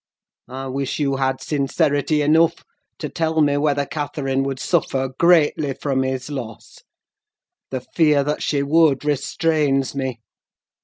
I wish you had sincerity enough to tell me whether Catherine would suffer greatly from his loss: the fear that she would restrains me.